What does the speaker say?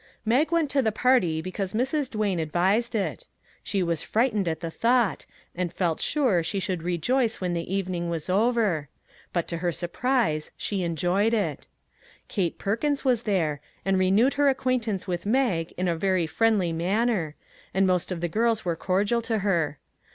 Mag went to the party because Mrs. Duane advised it. She was frightened at the thought, and felt sure she would rejoice when the eve ning was over; but to her surprise she enjoyed it. Kate Perkins was there, and renewed her acquaintance with Mag in a very friendly man ner, and most of the girls were cordial to her.